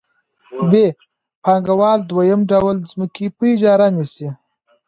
ب پانګوال دویم ډول ځمکه په اجاره نیسي